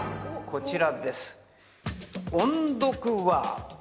こちらです。